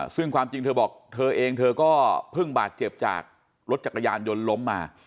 ซึ่งความจริงเธอบอกเธอเองเธอก็เพิ่งบาดเจ็บจากรถจักรยานยนต์ล้มมา